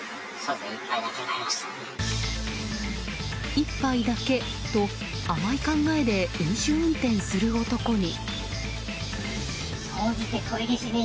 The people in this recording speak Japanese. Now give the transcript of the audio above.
１杯だけと、甘い考えで飲酒運転する男に。